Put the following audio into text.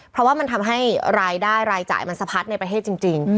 เพราะว่ามันทำให้รายได้รายจ่ายมันสะพัดในประเทศจริง